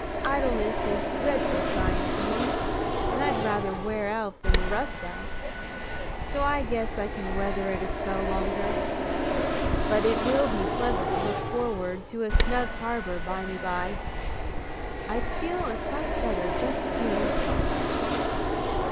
Idleness is dreadful tryin' to me, and I'd rather wear out than rust out; so I guess I can weather it a spell longer. But it will be pleasant to look forrard to a snug harbor bymeby. I feel a sight better just hearin' tell about it."